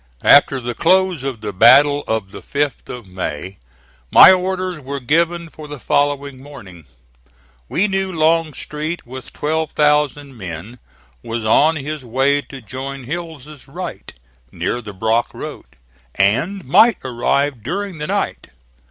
After the close of the battle of the 5th of May my orders were given for the following morning. We knew Longstreet with 12,000 men was on his way to join Hill's right, near the Brock Road, and might arrive during the night.